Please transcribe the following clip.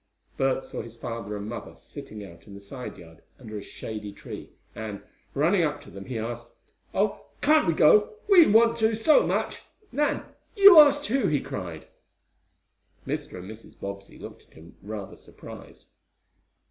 Bert saw his father and mother sitting out in the side yard under a shady tree, and, running up to them he asked: "Oh, can't we go? We want to so much! Nan, you ask, too!" he cried. Mr. and Mrs. Bobbsey looked at him rather surprised.